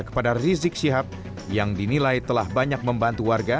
kepada rizik syihab yang dinilai telah banyak membantu warga